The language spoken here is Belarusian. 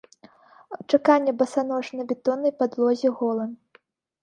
Чаканне басанож на бетоннай падлозе голым.